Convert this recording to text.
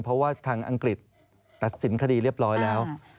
เพราะว่าทางอังกฤษตัดสินคดีเรียบร้อยแล้ว